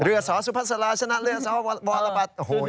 เรือสระสุพันธ์สลาชนะเรือสระบอลบัตร